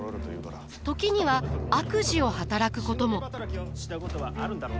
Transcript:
時には悪事を働くことも。